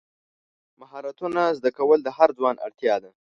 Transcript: مهارتونه زده کول د هر ځوان اړتیا ده.